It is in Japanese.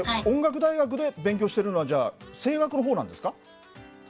音楽大学で勉強してるのはじゃあ声楽のほうなんですか？